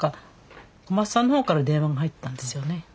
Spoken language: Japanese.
小松さんの方から電話が入ったんですよね。